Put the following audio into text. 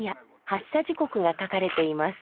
発車時刻が書かれています。